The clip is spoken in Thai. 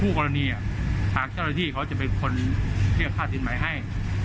กรณีทางเจ้าหน้าที่เขาจะเป็นคนเรียกค่าสินใหม่ให้